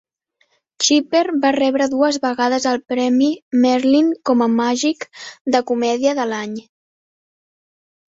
Chipper va rebre dues vegades el premi "Merlin" com a "Màgic de comèdia de l'any"!